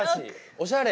おしゃれ。